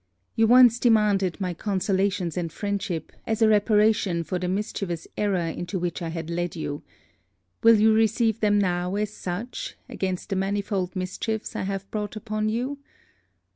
You once demanded my consolations and friendship, as a reparation for the mischievous error into which I had led you. Will you receive them now as such, against the manifold mischiefs I have brought upon you?